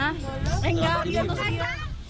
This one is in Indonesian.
dan juga di mana mana